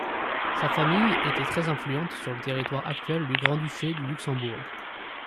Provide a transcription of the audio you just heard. Sa famille était très influente sur le territoire actuel du Grand-Duché du Luxembourg.